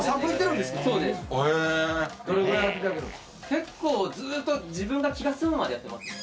結構ずーっと自分が気が済むまでやってます。